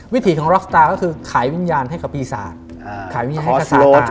วิถีของล็อกสตาร์ก็คือขายวิญญาณให้กับปีศาจขายวิญญาณให้กับสาตา